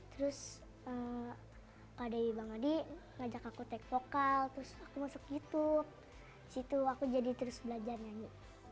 terus kak di bang adi ngajak aku take vokal terus aku masuk youtube situ aku jadi terus belajar nyanyi